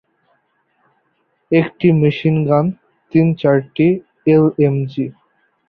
একটি মেশিনগান, তিন-চারটি এলএমজি।